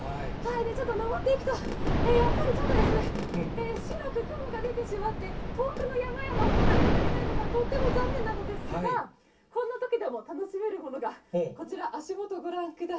ちょっと登っていくと、やっぱりちょっと、白く雲が出てしまって、遠くの山々をご覧いただけないのがとっても残念なのですが、こんなときでも楽しめるものが、こちら、なんでしょう。